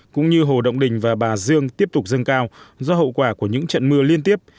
cũng như hồ động đình và bà dương tiếp tục dâng cao do hậu quả của những trận mưa liên tiếp